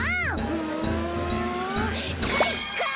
うんかいか！